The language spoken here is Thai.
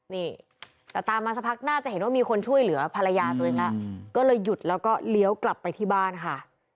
นี่แต่ตามมาสักพักน่าจะเห็นว่ามีคนช่วยเหลือภรรยาตัวเองแล้วก็เลยหยุดแล้วก็เลี้ยวกลับไปที่บ้านค่ะ